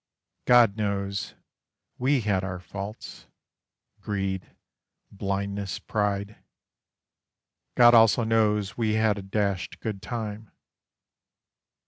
God knows, we had our faults greed, blindness, pride. God also knows we had a dashed good time.